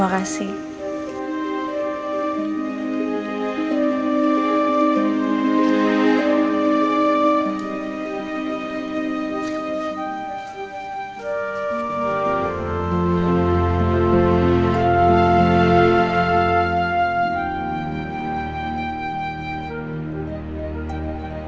masuklah ke rumah